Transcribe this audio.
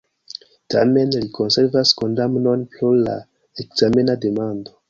Tamen, li konservas kondamnon pro la ekzamena demando.